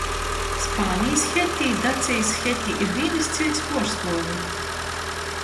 Spānejis heti i Dacejis heti ir vīnys ciļts puorstuovi.